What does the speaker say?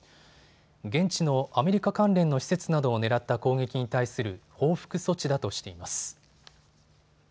現地のアメリカ関連の施設などを狙った攻撃に対する報復措置だとしています。